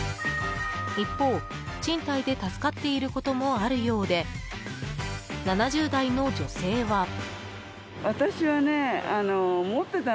一方、賃貸で助かっていることもあるようで７０代の女性は。